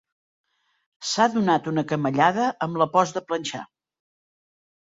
S'ha donat una camallada amb la post de planxar.